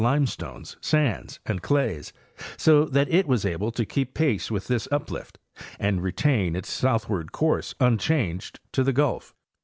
limestones, sands and clays, so that it was able to keep pace with this uplift and retain its southward course unchanged to the Gulf.